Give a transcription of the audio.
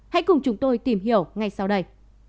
hãy cùng chúng tôi tìm hiểu ngay sau đây